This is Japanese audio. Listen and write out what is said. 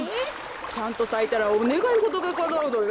ちゃんとさいたらおねがいごとがかなうのよ。